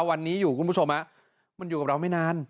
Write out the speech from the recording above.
วันนี้อยู่คุณผู้ชมมันอยู่กับเราไม่นาน